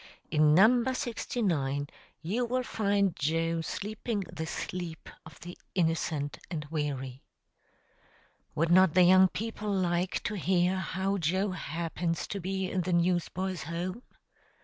In number 69 you will find Joe sleeping the sleep of the innocent and weary. Would not the young people like to hear how Joe happens to be in the Newsboys' Home?